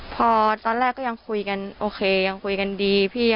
พอตอนแรกก็ยังคุยกันโอเคยังคุยกันดีพี่